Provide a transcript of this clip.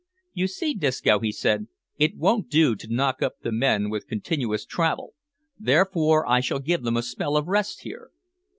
"You see, Disco," he said, "it won't do to knock up the men with continuous travel, therefore I shall give them a spell of rest here.